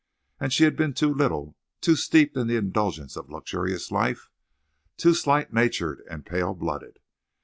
And she had been too little too steeped in the indulgence of luxurious life too slight natured and pale blooded!